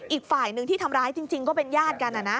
อีกฝ่ายหนึ่งที่ทำร้ายจริงก็เป็นญาติกัน